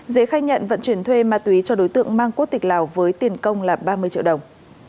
dễ khai nhận vận chuyển thuê ma túy cho đối tượng mang quốc tịch lào với tiền công là ba mươi triệu đồng